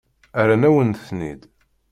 Rran-awen-ten-id.